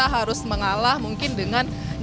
jadi kita harus mengalah mungkin dengan jalan bebatu gitu